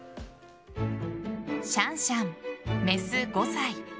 シャンシャン雌、５歳。